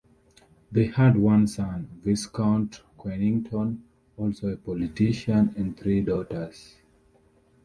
They had one son, Viscount Quenington, also a politician, and three daughters.